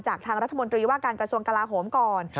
ทางรัฐมนตรีว่าการกระทรวงกลาโหมก่อน